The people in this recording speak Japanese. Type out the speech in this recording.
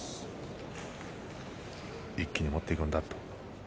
一気に持っていくんだと。